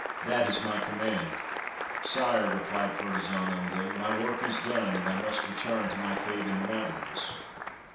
That is my command.' ' Sire,' replied Ferdasan humbly, ' my work is done, and I must return to my cave in the mountains.'